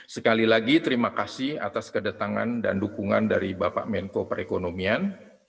sekali lagi terima kasih atas kedatangan dan dukungan dari bapak menko perekonomian